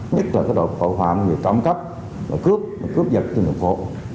nhất là cái đội tội phạm về trọng cấp cướp cướp dịch trên đường phố